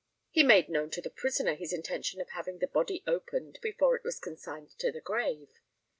He made known to the prisoner his intention of having the body opened before it was consigned to the grave.